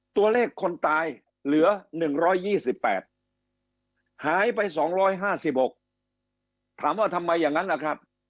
ตัวเลขคนตายเหลือ๑๒๘หายไป๒๕๖ถามว่าทำไมอย่างนั้นล่ะครับ